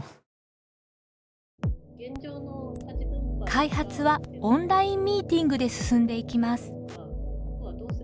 開発はオンラインミーティングで進んでいきます。